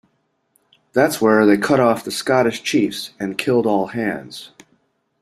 That's where they cut off the Scottish Chiefs and killed all hands.